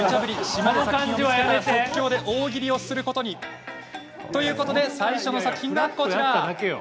島で作品を見つけたら即興で大喜利をすることに。というわけで最初の作品がこちら。